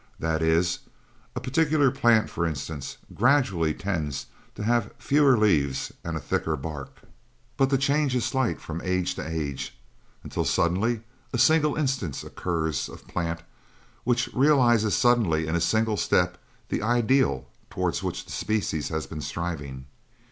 That is, a particular plant, for instance, gradually tends to have fewer leaves and a thicker bark, but the change is slight from age to age until suddenly a single instance occurs of plant which realises suddenly in a single step the 'ideal' towards which the species has been striving.